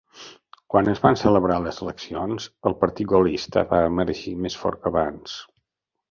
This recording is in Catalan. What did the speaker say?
Quan es van celebrar les eleccions, el partit gaullista va emergir més fort que abans.